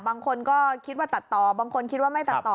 บางคนก็คิดว่าตัดต่อบางคนคิดว่าไม่ตัดต่อ